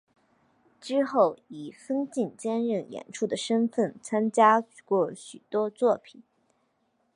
之后以分镜兼任演出的身分参加过许多作品。